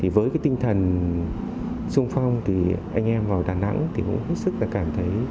với tinh thần sung phong anh em vào đà nẵng cũng hết sức cảm thấy